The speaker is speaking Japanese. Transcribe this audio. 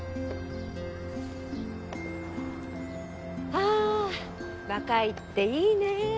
あ若いっていいね。